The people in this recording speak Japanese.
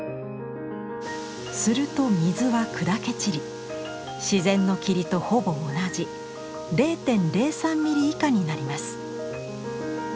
すると水は砕け散り自然の霧とほぼ同じ０．０３ｍｍ以下になります。